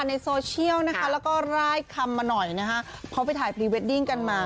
ในโซเชียลนะคะแล้วก็ร่ายคำมาหน่อยนะคะเขาไปถ่ายพรีเวดดิ้งกันมา